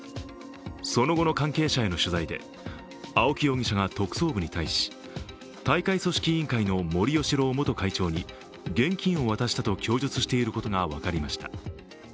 その後の関係者への取材で青木容疑者が特捜部に対し、大会組織委員会の森喜朗元会長に現金を渡したと供述していることが分かりました。